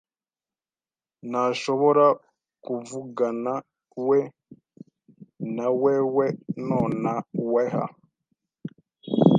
ntashobora kuvuganawe nawewe nonaweha.